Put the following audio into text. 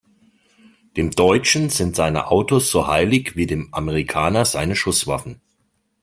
Dem Deutschen sind seine Autos so heilig wie dem Amerikaner seine Schusswaffen.